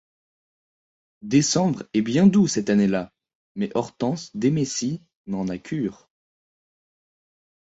Décembre est bien doux cette année-là, mais Hortense Demessy n’en a cure.